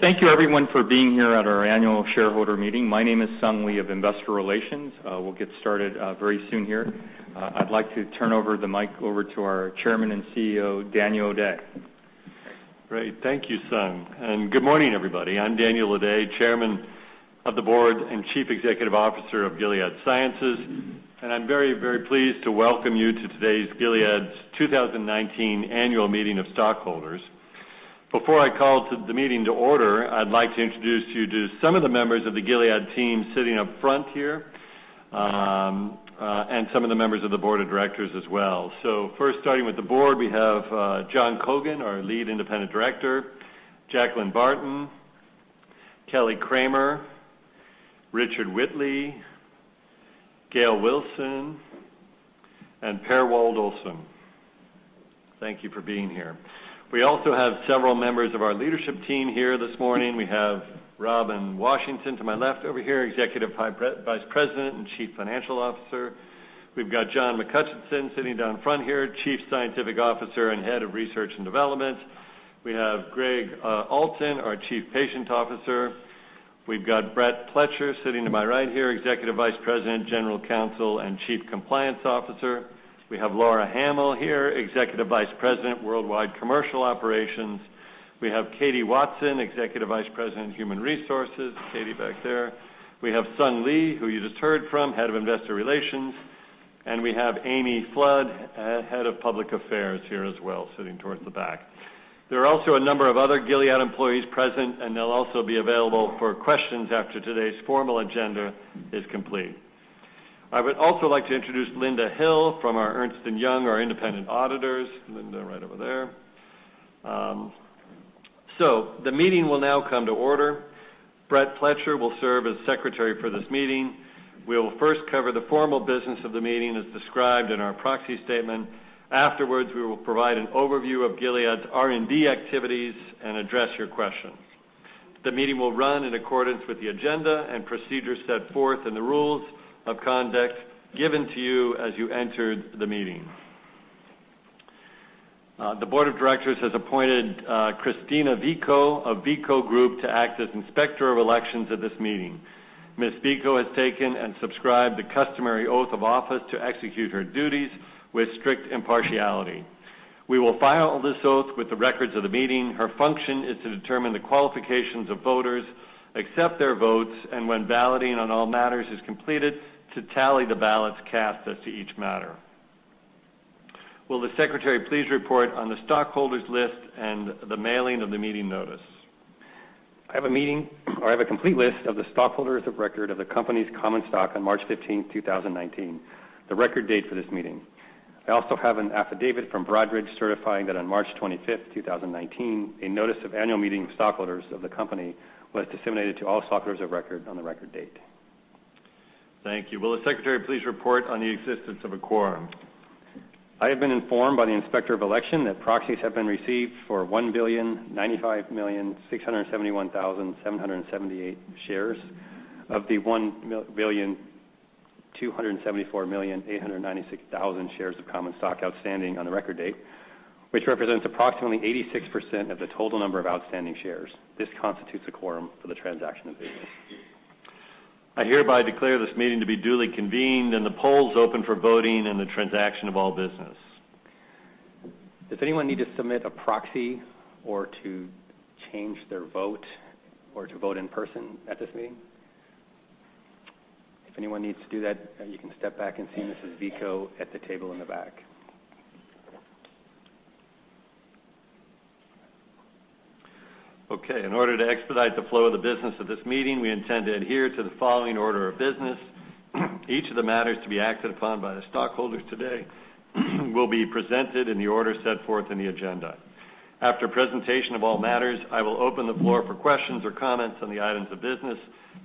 Thank you everyone for being here at our annual shareholder meeting. My name is Sung Lee of Investor Relations. We'll get started very soon here. I'd like to turn the mic over to our Chairman and CEO, Daniel O'Day. Thank you, Sung, and good morning, everybody. I'm Daniel O'Day, Chairman of the Board and Chief Executive Officer of Gilead Sciences, and I'm very, very pleased to welcome you to today's Gilead's 2019 annual meeting of stockholders. Before I call the meeting to order, I'd like to introduce you to some of the members of the Gilead team sitting up front here, and some of the members of the Board of Directors as well. First, starting with the Board, we have John Cogan, our Lead Independent Director, Jacqueline Barton, Kelly Kramer, Richard Whitley, Gayle Wilson, and Per Wold-Olsen. Thank you for being here. We also have several members of our leadership team here this morning. We have Robin Washington to my left over here, Executive Vice President and Chief Financial Officer. We've got John McHutchison sitting down front here, Chief Scientific Officer and Head of Research & Development. We have Gregg Alton, our Chief Patient Officer. We've got Brett Pletcher sitting to my right here, Executive Vice President, General Counsel, and Chief Compliance Officer. We have Laura Hamill here, Executive Vice President, Worldwide Commercial Operations. We have Katie Watson, Executive Vice President, Human Resources. Katie back there. We have Sung Lee, who you just heard from, Head of Investor Relations, and we have Amy Flood, Head of Public Affairs, here as well, sitting towards the back. There are also a number of other Gilead employees present, and they'll also be available for questions after today's formal agenda is complete. I would also like to introduce Linda Hill from our Ernst & Young, our independent auditors. Linda, right over there. The meeting will now come to order. Brett Pletcher will serve as Secretary for this meeting. We will first cover the formal business of the meeting as described in our proxy statement. Afterwards, we will provide an overview of Gilead's R&D activities and address your questions. The meeting will run in accordance with the agenda and procedures set forth in the rules of conduct given to you as you entered the meeting. The Board of Directors has appointed Christina Vico of Vico Group to act as Inspector of Elections at this meeting. Ms. Vico has taken and subscribed the customary oath of office to execute her duties with strict impartiality. We will file this oath with the records of the meeting. Her function is to determine the qualifications of voters, accept their votes, and when balloting on all matters is completed, to tally the ballots cast as to each matter. Will the secretary please report on the stockholders list and the mailing of the meeting notice? I have a complete list of the stockholders of record of the company's common stock on March 15th, 2019, the record date for this meeting. I also have an affidavit from Broadridge certifying that on March 25th, 2019, a notice of annual meeting of stockholders of the company was disseminated to all stockholders of record on the record date. Thank you. Will the secretary please report on the existence of a quorum? I have been informed by the inspector of election that proxies have been received for 1,095,671,778 shares of the 1,274,896,000 shares of common stock outstanding on the record date, which represents approximately 86% of the total number of outstanding shares. This constitutes a quorum for the transaction of business. I hereby declare this meeting to be duly convened and the polls open for voting in the transaction of all business. Does anyone need to submit a proxy or to change their vote or to vote in person at this meeting? If anyone needs to do that, you can step back and see Mrs. Vico at the table in the back. Okay. In order to expedite the flow of the business of this meeting, we intend to adhere to the following order of business. Each of the matters to be acted upon by the stockholders today will be presented in the order set forth in the agenda. After presentation of all matters, I will open the floor for questions or comments on the items of business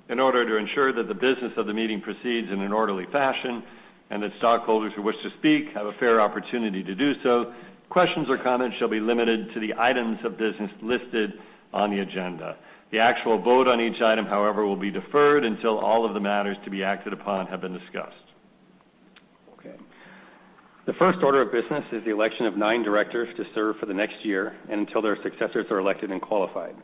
in order to ensure that the business of the meeting proceeds in an orderly fashion and that stockholders who wish to speak have a fair opportunity to do so. Questions or comments shall be limited to the items of business listed on the agenda. The actual vote on each item, however, will be deferred until all of the matters to be acted upon have been discussed. Okay. The first order of business is the election of nine directors to serve for the next year and until their successors are elected and qualified.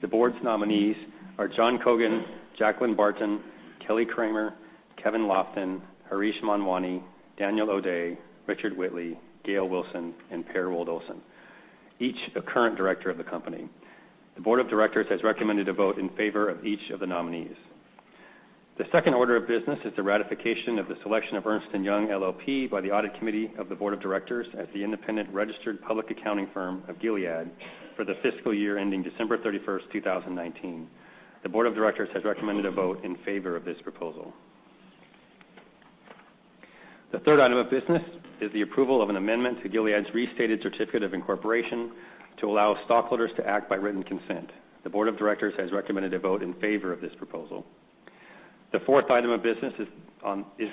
The board's nominees are John Cogan, Jacqueline Barton, Kelly Kramer, Kevin Lofton, Harish Manwani, Daniel O'Day, Richard Whitley, Gayle Wilson, and Per Wold-Olsen, each a current director of the company. The board of directors has recommended a vote in favor of each of the nominees. The second order of business is the ratification of the selection of Ernst & Young LLP by the audit committee of the board of directors as the independent registered public accounting firm of Gilead for the fiscal year ending December 31st, 2019. The board of directors has recommended a vote in favor of this proposal. The third item of business is the approval of an amendment to Gilead's restated certificate of incorporation to allow stockholders to act by written consent. The board of directors has recommended a vote in favor of this proposal. The fourth item of business is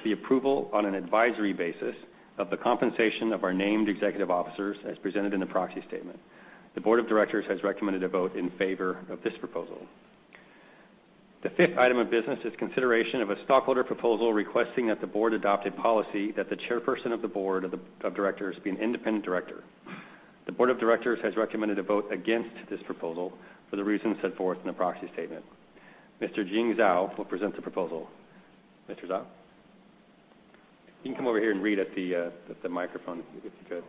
the approval on an advisory basis of the compensation of our named executive officers as presented in the proxy statement. The board of directors has recommended a vote in favor of this proposal. The fifth item of business is consideration of a stockholder proposal requesting that the board adopt a policy that the chairperson of the board of directors be an independent director. The board of directors has recommended a vote against this proposal for the reasons set forth in the proxy statement. Mr. Jing Zhao will present the proposal. Mr. Zhao. You can come over here and read at the microphone if you could.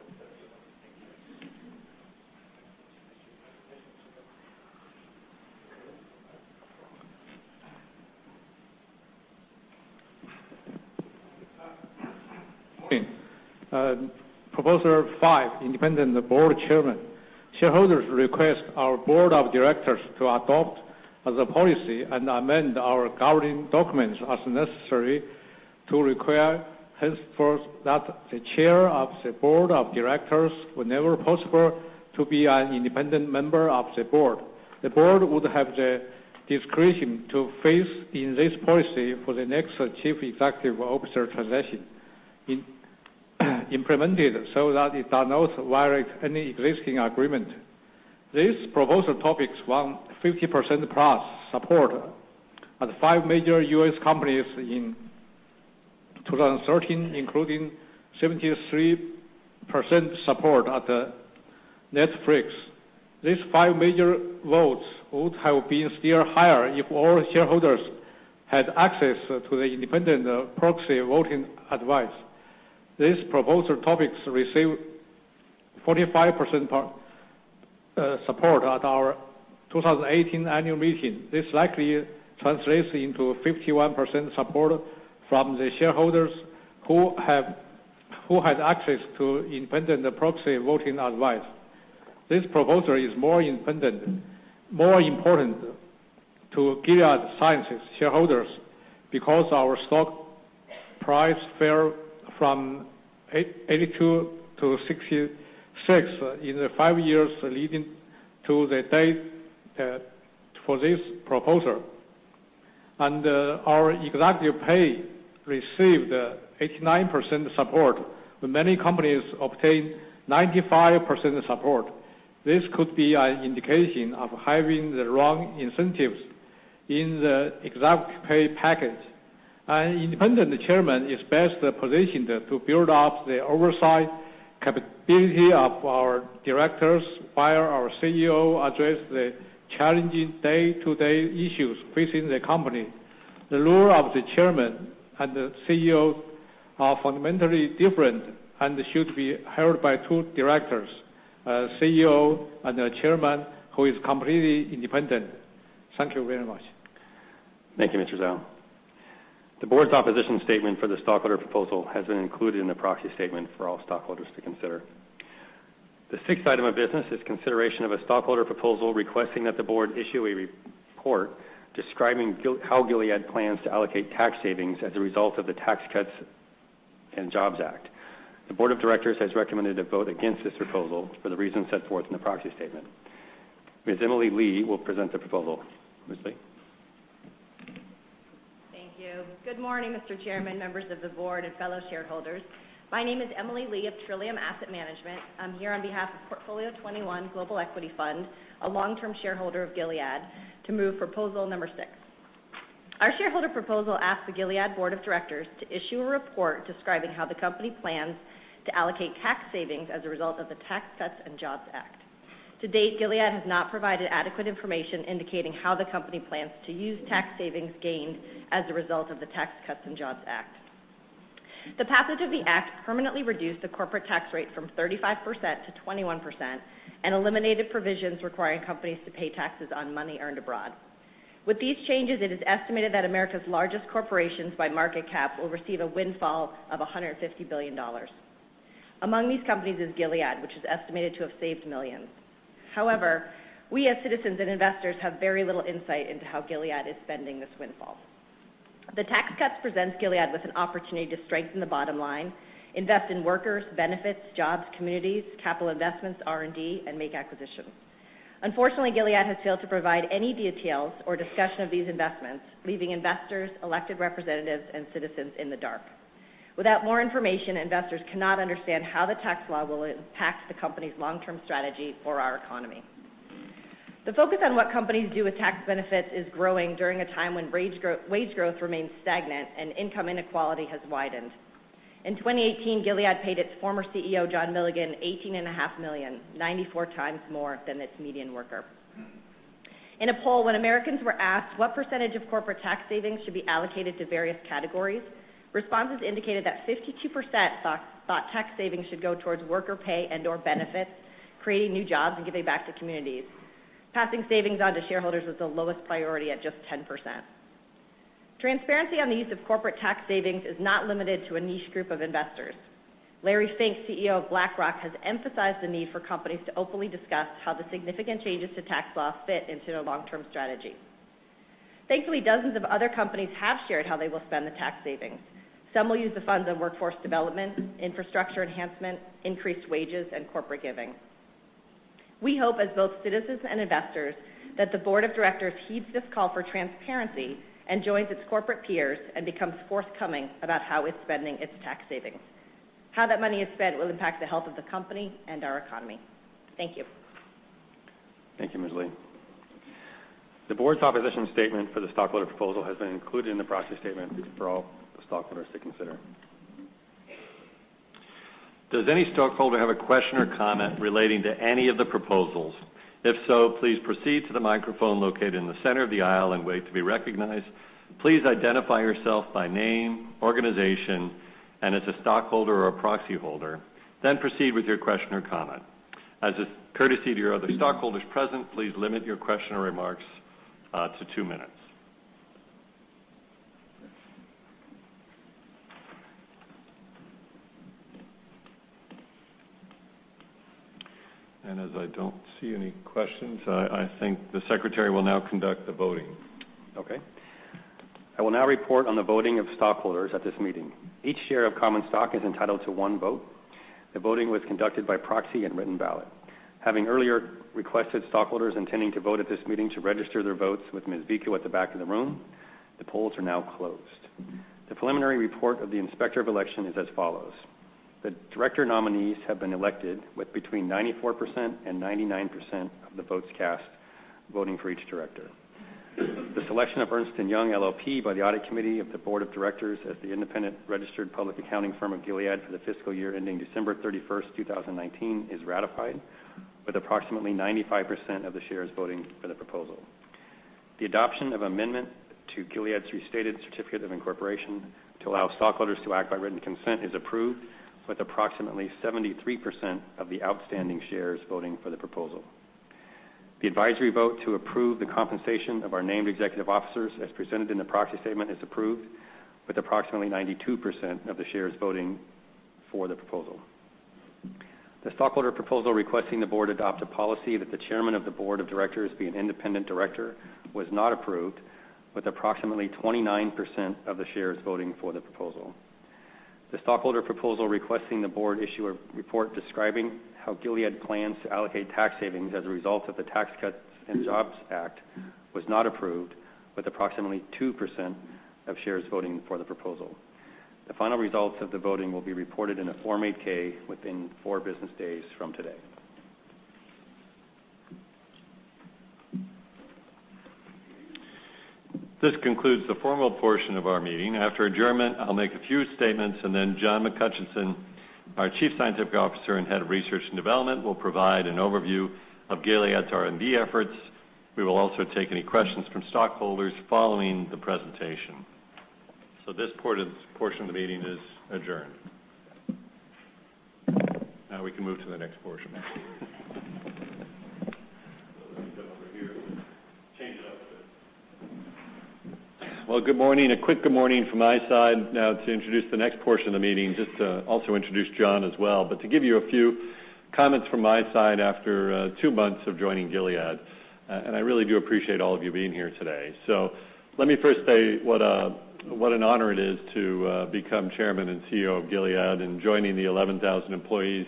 Morning. Proposal 5, independent board chairman. Shareholders request our board of directors to adopt the policy and amend our governing documents as necessary to require henceforth that the chair of the board of directors, whenever possible, to be an independent member of the board. The board would have the discretion to phase in this policy for the next chief executive officer transition, implemented so that it does not violate any existing agreement. These proposal topics won 50%+ support at five major U.S. companies in 2013, including 73% support at Netflix. These five major votes would have been still higher if all shareholders had access to the independent proxy voting advice. These proposal topics received 45% support at our 2018 annual meeting. This likely translates into 51% support from the shareholders who had access to independent proxy voting advice. This proposal is more important to Gilead Sciences shareholders because our stock price fell from $82 to $66 in the five years leading to the date for this proposal. Our executive pay received 89% support, when many companies obtain 95% support. This could be an indication of having the wrong incentives in the executive pay package. An independent chairman is best positioned to build up the oversight capability of our directors while our CEO addresses the challenging day-to-day issues facing the company. The role of the chairman and the CEO are fundamentally different and should be held by two directors, a CEO and a chairman who is completely independent. Thank you very much. Thank you, Mr. Zhao. The board's opposition statement for the stockholder proposal has been included in the proxy statement for all stockholders to consider. The sixth item of business is consideration of a stockholder proposal requesting that the board issue a report describing how Gilead plans to allocate tax savings as a result of the Tax Cuts and Jobs Act. The board of directors has recommended a vote against this proposal for the reasons set forth in the proxy statement. Ms. Emily Lee will present the proposal. Ms. Lee. Thank you. Good morning, Mr. Chairman, members of the board, and fellow shareholders. My name is Emily Lee of Trillium Asset Management. I am here on behalf of Portfolio 21 Global Equity Fund, a long-term shareholder of Gilead, to move proposal number 6. Our shareholder proposal asks the Gilead board of directors to issue a report describing how the company plans to allocate tax savings as a result of the Tax Cuts and Jobs Act. To date, Gilead has not provided adequate information indicating how the company plans to use tax savings gained as a result of the Tax Cuts and Jobs Act. The passage of the act permanently reduced the corporate tax rate from 35% to 21% and eliminated provisions requiring companies to pay taxes on money earned abroad. With these changes, it is estimated that America's largest corporations by market cap will receive a windfall of $150 billion. Among these companies is Gilead, which is estimated to have saved millions. However, we as citizens and investors have very little insight into how Gilead is spending this windfall. The tax cuts presents Gilead with an opportunity to strengthen the bottom line, invest in workers, benefits, jobs, communities, capital investments, R&D, and make acquisitions. Unfortunately, Gilead has failed to provide any details or discussion of these investments, leaving investors, elected representatives, and citizens in the dark. Without more information, investors cannot understand how the tax law will impact the company's long-term strategy or our economy. The focus on what companies do with tax benefits is growing during a time when wage growth remains stagnant and income inequality has widened. In 2018, Gilead paid its former CEO, John Milligan, $18.5 million, 94 times more than its median worker. In a poll, when Americans were asked what percentage of corporate tax savings should be allocated to various categories, responses indicated that 52% thought tax savings should go towards worker pay and/or benefits, creating new jobs, and giving back to communities. Passing savings on to shareholders was the lowest priority at just 10%. Transparency on the use of corporate tax savings is not limited to a niche group of investors. Larry Fink, CEO of BlackRock, has emphasized the need for companies to openly discuss how the significant changes to tax law fit into their long-term strategy. Thankfully, dozens of other companies have shared how they will spend the tax savings. Some will use the funds on workforce development, infrastructure enhancement, increased wages, and corporate giving. We hope as both citizens and investors that the board of directors heeds this call for transparency and joins its corporate peers and becomes forthcoming about how it's spending its tax savings. How that money is spent will impact the health of the company and our economy. Thank you. Thank you, Ms. Lee. The board's opposition statement for the stockholder proposal has been included in the proxy statement for all the stockholders to consider. Does any stockholder have a question or comment relating to any of the proposals? If so, please proceed to the microphone located in the center of the aisle and wait to be recognized. Please identify yourself by name, organization, and as a stockholder or a proxy holder, then proceed with your question or comment. As a courtesy to your other stockholders present, please limit your question or remarks to two minutes. As I don't see any questions, I think the secretary will now conduct the voting. Okay. I will now report on the voting of stockholders at this meeting. Each share of common stock is entitled to one vote. The voting was conducted by proxy and written ballot. Having earlier requested stockholders intending to vote at this meeting to register their votes with Ms. Vico at the back of the room, the polls are now closed. The preliminary report of the Inspector of Election is as follows. The director nominees have been elected with between 94%-99% of the votes cast, voting for each director. The selection of Ernst & Young LLP by the audit committee of the board of directors as the independent registered public accounting firm of Gilead for the fiscal year ending December 31st, 2019, is ratified with approximately 95% of the shares voting for the proposal. The adoption of amendment to Gilead's restated certificate of incorporation to allow stockholders to act by written consent is approved with approximately 73% of the outstanding shares voting for the proposal. The advisory vote to approve the compensation of our named executive officers as presented in the proxy statement is approved with approximately 92% of the shares voting for the proposal. The stockholder proposal requesting the board adopt a policy that the chairman of the board of directors be an independent director was not approved with approximately 29% of the shares voting for the proposal. The stockholder proposal requesting the board issue a report describing how Gilead plans to allocate tax savings as a result of the Tax Cuts and Jobs Act was not approved with approximately 2% of shares voting for the proposal. The final results of the voting will be reported in a Form 8-K within four business days from today. This concludes the formal portion of our meeting. After adjournment, I'll make a few statements, then John McHutchison, our Chief Scientific Officer and Head of Research and Development, will provide an overview of Gilead's R&D efforts. We will also take any questions from stockholders following the presentation. This portion of the meeting is adjourned. We can move to the next portion. Let me come over here and change it up a bit. Well, good morning. A quick good morning from my side. To introduce the next portion of the meeting, just to also introduce John as well, but to give you a few comments from my side after two months of joining Gilead. I really do appreciate all of you being here today. Let me first say what an honor it is to become Chairman and CEO of Gilead and joining the 11,000 employees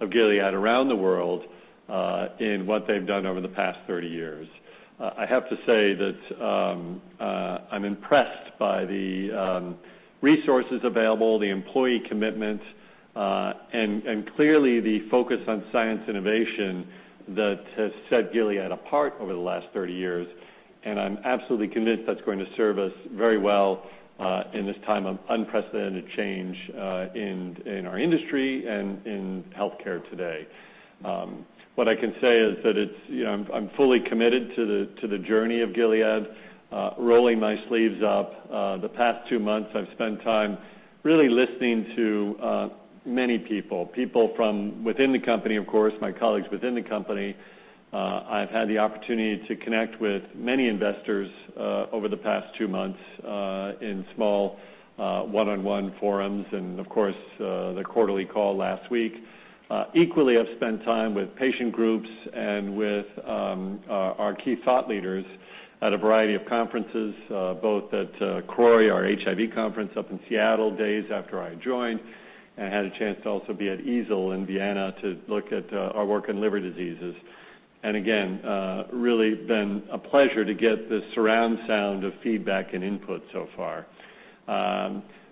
of Gilead around the world in what they've done over the past 30 years. I have to say that I'm impressed by the resources available, the employee commitment, and clearly the focus on science innovation that has set Gilead apart over the last 30 years, and I'm absolutely convinced that's going to serve us very well in this time of unprecedented change in our industry and in healthcare today. What I can say is that I'm fully committed to the journey of Gilead, rolling my sleeves up. The past two months, I've spent time really listening to many people from within the company, of course, my colleagues within the company. I've had the opportunity to connect with many investors over the past two months in small one-on-one forums and of course, the quarterly call last week. Equally, I've spent time with patient groups and with our key thought leaders at a variety of conferences both at CROI, our HIV conference up in Seattle, days after I joined, and had a chance to also be at EASL in Vienna to look at our work in liver diseases. Again, really been a pleasure to get the surround sound of feedback and input so far.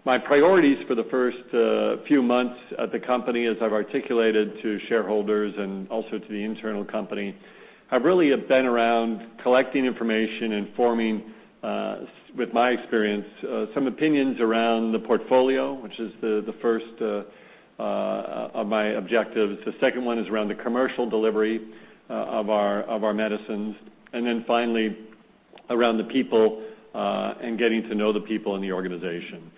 My priorities for the first few months at the company, as I've articulated to shareholders and also to the internal company, have really been around collecting information and forming, with my experience, some opinions around the portfolio, which is the first of my objectives. The second one is around the commercial delivery of our medicines. Finally, around the people and getting to know the people in the organization.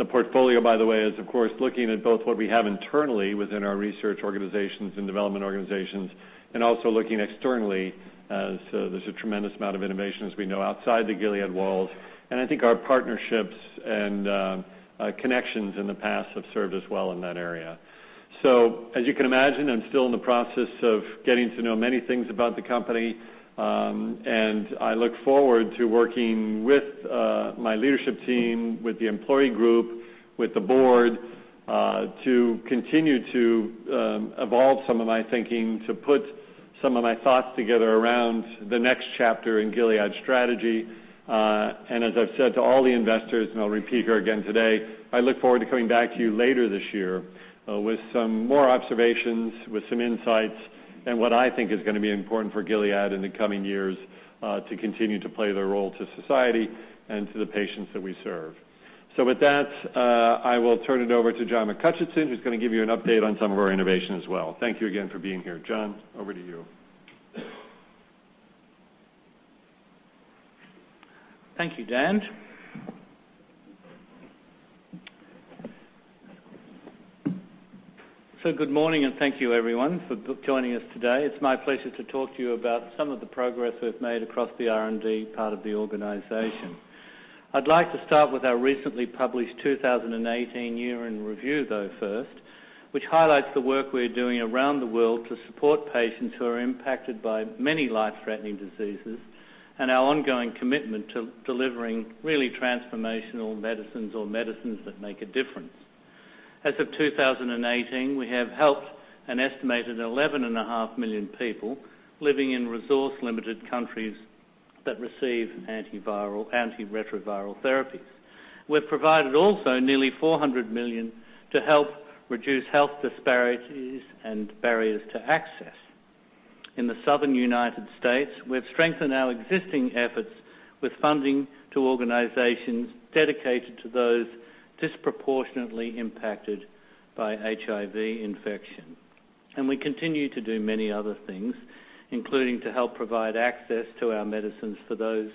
The portfolio, by the way, is of course looking at both what we have internally within our research organizations and development organizations, and also looking externally as there's a tremendous amount of innovation, as we know, outside the Gilead walls. I think our partnerships and connections in the past have served us well in that area. As you can imagine, I'm still in the process of getting to know many things about the company, and I look forward to working with my leadership team, with the employee group, with the board to continue to evolve some of my thinking, to put some of my thoughts together around the next chapter in Gilead's strategy. As I've said to all the investors, and I'll repeat here again today, I look forward to coming back to you later this year with some more observations, with some insights, and what I think is going to be important for Gilead in the coming years to continue to play their role to society and to the patients that we serve. With that, I will turn it over to John McHutchison, who's going to give you an update on some of our innovation as well. Thank you again for being here. John, over to you. Thank you, Dan. Good morning and thank you everyone for joining us today. It's my pleasure to talk to you about some of the progress we've made across the R&D part of the organization. I'd like to start with our recently published 2018 year in review, though, first, which highlights the work we're doing around the world to support patients who are impacted by many life-threatening diseases and our ongoing commitment to delivering really transformational medicines or medicines that make a difference. As of 2018, we have helped an estimated 11.5 million people living in resource-limited countries that receive antiviral, antiretroviral therapies, were provided also nearly $400 million to help reduce health disparities and barriers to access. In the Southern United States, we've strengthened our existing efforts with funding to organizations dedicated to those disproportionately impacted by HIV infection. We continue to do many other things, including to help provide access to our medicines for those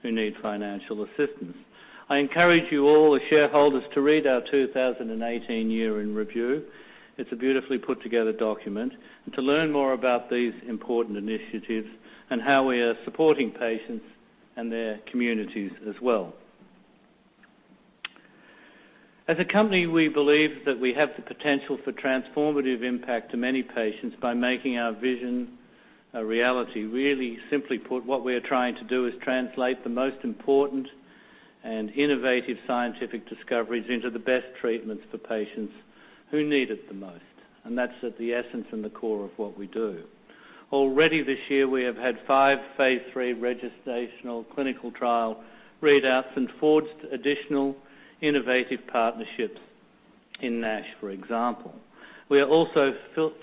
who need financial assistance. I encourage you all as shareholders to read our 2018 year in review, it's a beautifully put together document, and to learn more about these important initiatives and how we are supporting patients and their communities as well. As a company, we believe that we have the potential for transformative impact to many patients by making our vision a reality. Really simply put, what we are trying to do is translate the most important and innovative scientific discoveries into the best treatments for patients who need it the most, and that's at the essence and the core of what we do. Already this year, we have had five phase III registrational clinical trial readouts and forged additional innovative partnerships in NASH, for example. We are also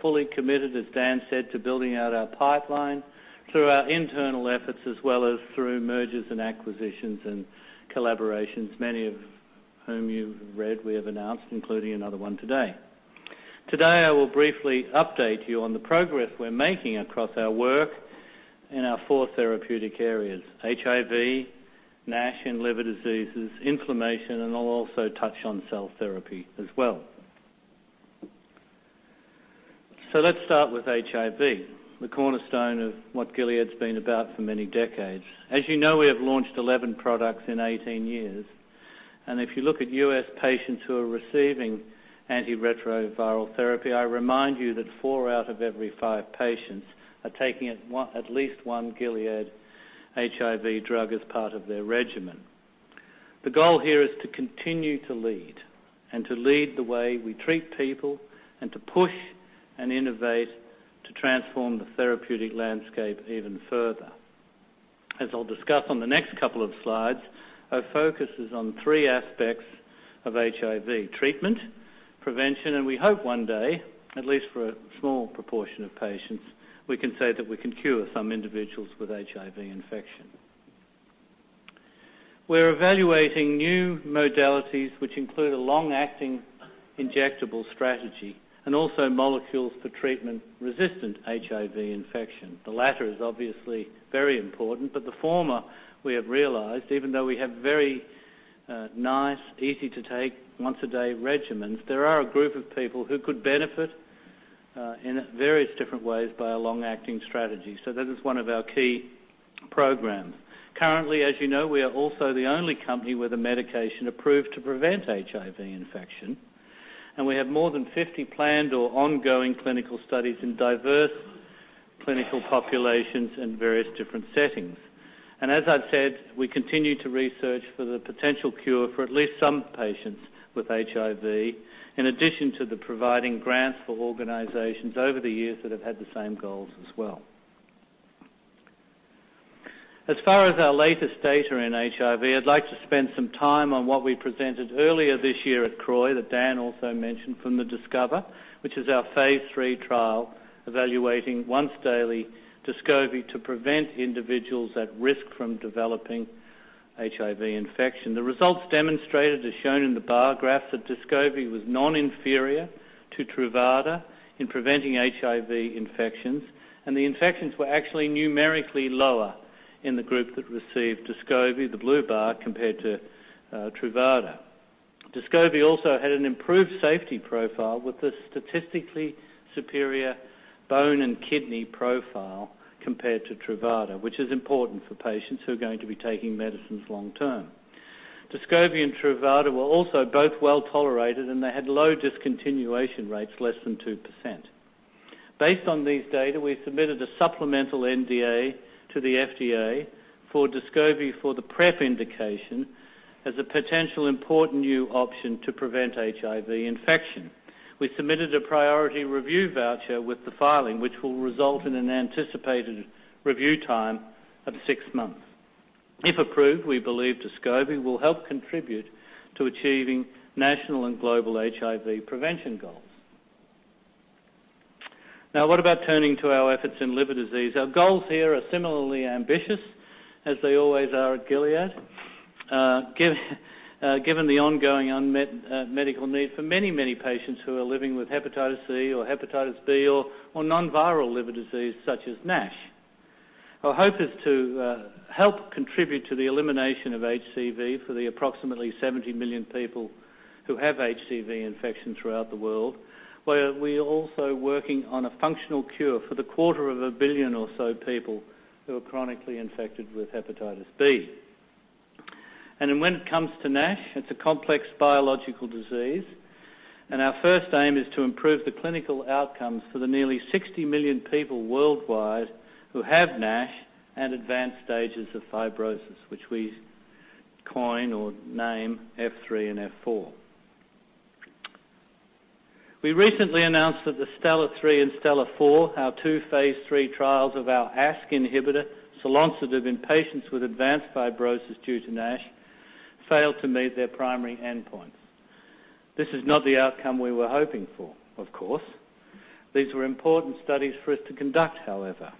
fully committed, as Dan said, to building out our pipeline through our internal efforts as well as through mergers and acquisitions and collaborations, many of whom you've read we have announced, including another one today. Today, I will briefly update you on the progress we're making across our work in our four therapeutic areas, HIV, NASH, and liver diseases, inflammation, and I'll also touch on cell therapy as well. Let's start with HIV, the cornerstone of what Gilead's been about for many decades. As you know, we have launched 11 products in 18 years, and if you look at U.S. patients who are receiving antiretroviral therapy, I remind you that four out of every five patients are taking at least one Gilead HIV drug as part of their regimen. The goal here is to continue to lead, and to lead the way we treat people, and to push and innovate to transform the therapeutic landscape even further. As I'll discuss on the next couple of slides, our focus is on three aspects of HIV, treatment, prevention, and we hope one day, at least for a small proportion of patients, we can say that we can cure some individuals with HIV infection. We're evaluating new modalities which include a long-acting injectable strategy and also molecules for treatment-resistant HIV infection. The latter is obviously very important, but the former we have realized, even though we have very nice, easy-to-take, once-a-day regimens, there are a group of people who could benefit in various different ways by a long-acting strategy. That is one of our key programs. Currently, as you know, we are also the only company with a medication approved to prevent HIV infection, and we have more than 50 planned or ongoing clinical studies in diverse clinical populations and various different settings. As I've said, we continue to research for the potential cure for at least some patients with HIV, in addition to the providing grants for organizations over the years that have had the same goals as well. As far as our latest data in HIV, I'd like to spend some time on what we presented earlier this year at CROI that Dan also mentioned from the DISCOVER, which is our phase III trial evaluating once-daily Descovy to prevent individuals at risk from developing HIV infection. The results demonstrated, as shown in the bar graph, that Descovy was non-inferior to Truvada in preventing HIV infections, and the infections were actually numerically lower in the group that received Descovy, the blue bar, compared to Truvada. Descovy also had an improved safety profile with a statistically superior bone and kidney profile compared to Truvada, which is important for patients who are going to be taking medicines long term. Descovy and Truvada were also both well-tolerated, and they had low discontinuation rates, less than 2%. Based on these data, we submitted a supplemental NDA to the FDA for Descovy for the PrEP indication as a potential important new option to prevent HIV infection. We submitted a priority review voucher with the filing, which will result in an anticipated review time of six months. If approved, we believe Descovy will help contribute to achieving national and global HIV prevention goals. What about turning to our efforts in liver disease? Our goals here are similarly ambitious, as they always are at Gilead, given the ongoing unmet medical need for many, many patients who are living with hepatitis C or hepatitis B or non-viral liver disease such as NASH. Our hope is to help contribute to the elimination of HCV for the approximately 70 million people who have HCV infection throughout the world, where we are also working on a functional cure for the quarter of a billion or so people who are chronically infected with hepatitis B. When it comes to NASH, it's a complex biological disease, and our first aim is to improve the clinical outcomes for the nearly 60 million people worldwide who have NASH and advanced stages of fibrosis, which we coin or name F3 and F4. We recently announced that the STELLAR-3 and STELLAR-4, our two phase III trials of our ASK1 inhibitor, selonsertib, in patients with advanced fibrosis due to NASH, failed to meet their primary endpoints. This is not the outcome we were hoping for, of course. These were important studies for us to conduct, however.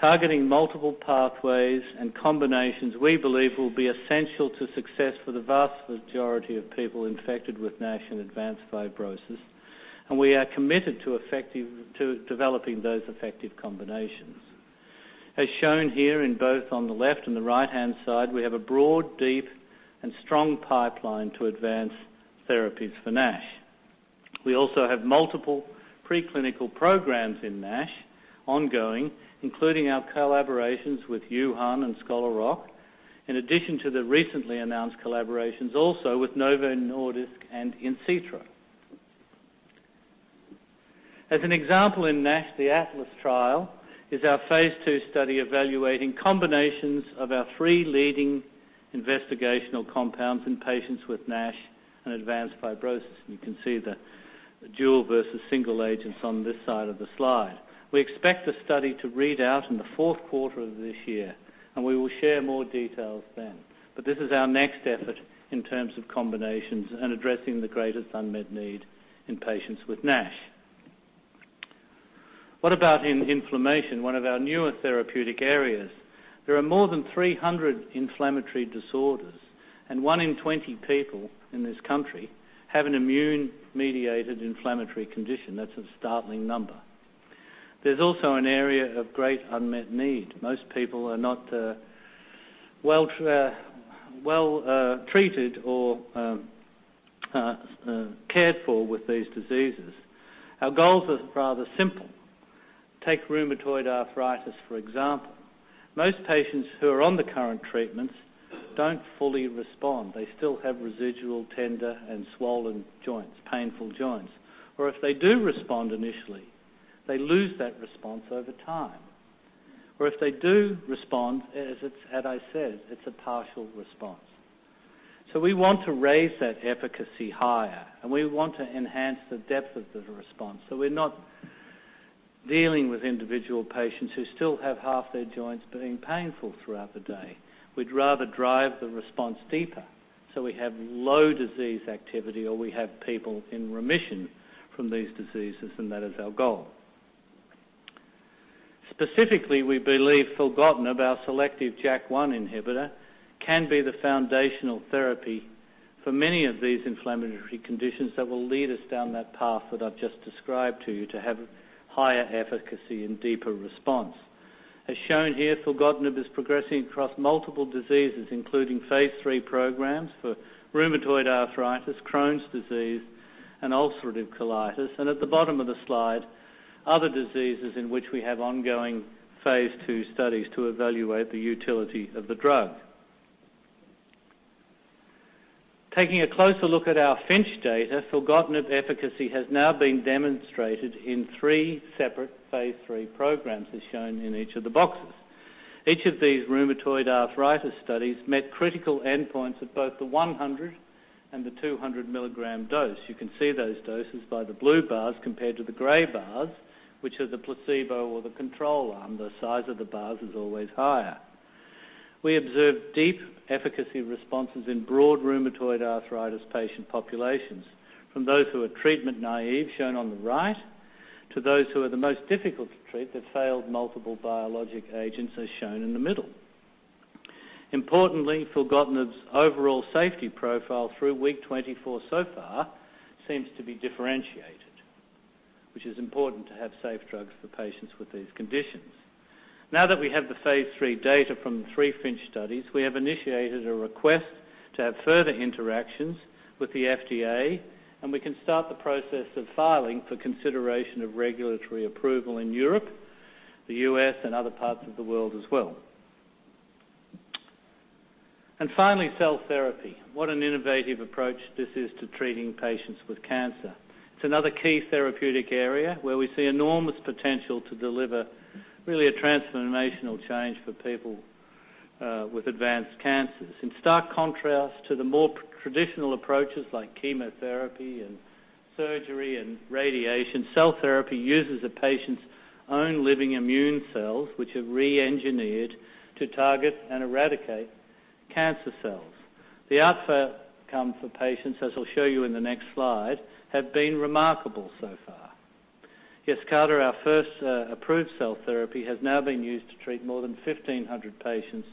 Targeting multiple pathways and combinations, we believe, will be essential to success for the vast majority of people infected with NASH and advanced fibrosis, and we are committed to developing those effective combinations. As shown here in both on the left and the right-hand side, we have a broad, deep, and strong pipeline to advance therapies for NASH. We also have multiple preclinical programs in NASH ongoing, including our collaborations with Yuhan and Scholar Rock, in addition to the recently announced collaborations also with Novo Nordisk and insitro. As an example in NASH, the ATLAS trial is our phase II study evaluating combinations of our three leading investigational compounds in patients with NASH and advanced fibrosis. You can see the dual versus single agents on this side of the slide. We expect the study to read out in the fourth quarter of this year, and we will share more details then. This is our next effort in terms of combinations and addressing the greatest unmet need in patients with NASH. What about in inflammation, one of our newer therapeutic areas? There are more than 300 inflammatory disorders, and one in 20 people in this country have an immune-mediated inflammatory condition. That's a startling number. There's also an area of great unmet need. Most people are not well-treated or cared for with these diseases. Our goals are rather simple. Take rheumatoid arthritis, for example. Most patients who are on the current treatments don't fully respond. They still have residual tender and swollen joints, painful joints. If they do respond initially, they lose that response over time. If they do respond, as I said, it's a partial response. We want to raise that efficacy higher, and we want to enhance the depth of the response, so we're not dealing with individual patients who still have half their joints being painful throughout the day. We'd rather drive the response deeper so we have low disease activity, or we have people in remission from these diseases. That is our goal. Specifically, we believe filgotinib, our selective JAK1 inhibitor, can be the foundational therapy for many of these inflammatory conditions that will lead us down that path that I've just described to you to have higher efficacy and deeper response. As shown here, filgotinib is progressing across multiple diseases, including phase III programs for rheumatoid arthritis, Crohn's disease, and ulcerative colitis. At the bottom of the slide, other diseases in which we have ongoing phase II studies to evaluate the utility of the drug. Taking a closer look at our FINCH data, filgotinib efficacy has now been demonstrated in three separate phase III programs, as shown in each of the boxes. Each of these rheumatoid arthritis studies met critical endpoints at both the 100 and the 200 milligram dose. You can see those doses by the blue bars compared to the gray bars, which are the placebo or the control arm. The size of the bars is always higher. We observed deep efficacy responses in broad rheumatoid arthritis patient populations, from those who are treatment naive, shown on the right, to those who are the most difficult to treat, that failed multiple biologic agents, as shown in the middle. Importantly, filgotinib's overall safety profile through week 24 so far seems to be differentiated, which is important to have safe drugs for patients with these conditions. Now that we have the phase III data from the three FINCH studies, we have initiated a request to have further interactions with the FDA, and we can start the process of filing for consideration of regulatory approval in Europe, the U.S., and other parts of the world as well. Finally, cell therapy. What an innovative approach this is to treating patients with cancer. It's another key therapeutic area where we see enormous potential to deliver really a transformational change for people with advanced cancers. In stark contrast to the more traditional approaches like chemotherapy and surgery and radiation, cell therapy uses a patient's own living immune cells, which are re-engineered to target and eradicate cancer cells. The outcome for patients, as I'll show you in the next slide, have been remarkable so far. Yescarta, our first approved cell therapy, has now been used to treat more than 1,500 patients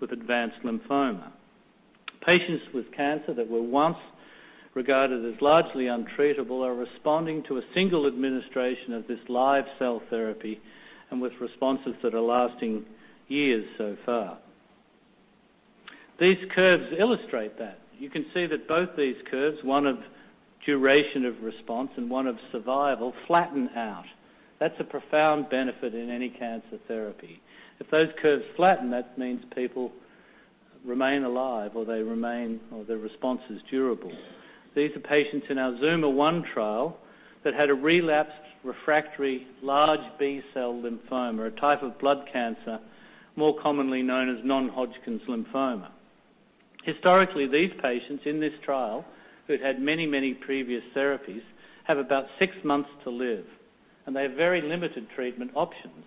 with advanced lymphoma. Patients with cancer that were once regarded as largely untreatable are responding to a single administration of this live cell therapy, with responses that are lasting years so far. These curves illustrate that. You can see that both these curves, one of duration of response and one of survival, flatten out. That's a profound benefit in any cancer therapy. If those curves flatten, that means people remain alive or their response is durable. These are patients in our ZUMA-1 trial that had a relapsed refractory large B-cell lymphoma, a type of blood cancer more commonly known as non-Hodgkin's lymphoma. Historically, these patients in this trial, who'd had many, many previous therapies, have about six months to live, and they have very limited treatment options.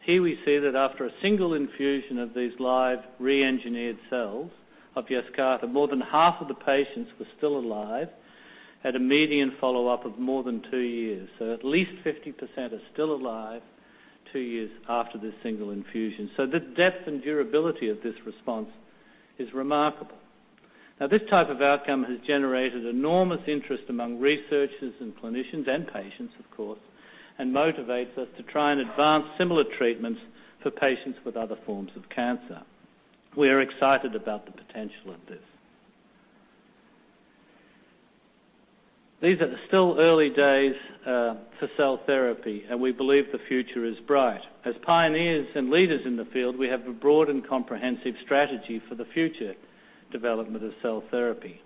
Here we see that after a single infusion of these live re-engineered cells of Yescarta, more than half of the patients were still alive at a median follow-up of more than two years. At least 50% are still alive two years after this single infusion. The depth and durability of this response is remarkable. Now, this type of outcome has generated enormous interest among researchers and clinicians and patients, of course, and motivates us to try and advance similar treatments for patients with other forms of cancer. We are excited about the potential of this. These are the still early days for cell therapy, and we believe the future is bright. As pioneers and leaders in the field, we have a broad and comprehensive strategy for the future development of cell therapy.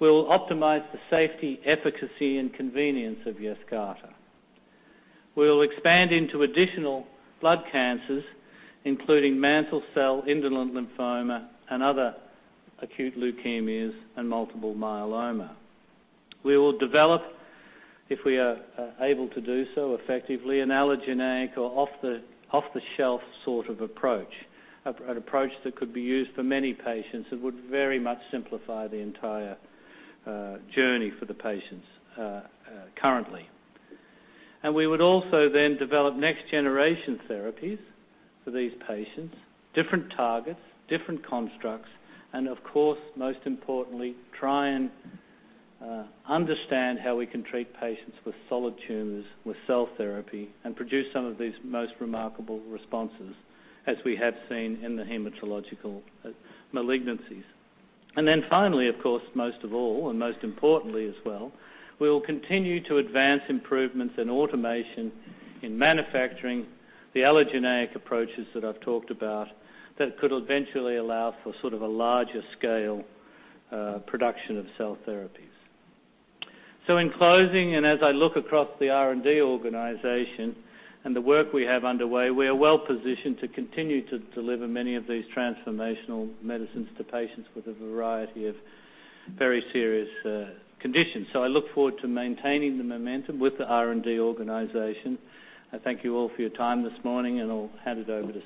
We'll optimize the safety, efficacy, and convenience of Yescarta. We'll expand into additional blood cancers, including mantle cell, indolent lymphoma, and other acute leukemias and multiple myeloma. We will develop, if we are able to do so effectively, an allogeneic or off-the-shelf sort of approach, an approach that could be used for many patients that would very much simplify the entire journey for the patients currently. We would also then develop next-generation therapies for these patients, different targets, different constructs, and of course, most importantly, try and understand how we can treat patients with solid tumors with cell therapy and produce some of these most remarkable responses as we have seen in the hematological malignancies. Then finally, of course, most of all, and most importantly as well, we will continue to advance improvements in automation, in manufacturing the allogeneic approaches that I've talked about that could eventually allow for sort of a larger scale production of cell therapies. In closing, and as I look across the R&D organization and the work we have underway, we are well-positioned to continue to deliver many of these transformational medicines to patients with a variety of very serious conditions. I look forward to maintaining the momentum with the R&D organization. I thank you all for your time this morning, and I'll hand it over to Steve.